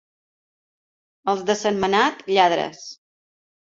Els de Sentmenat, lladres.